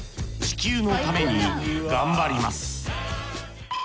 地球のために頑張ります